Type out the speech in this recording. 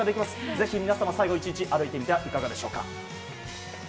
ぜひ最後の１日歩いてみてはいかがでしょうか。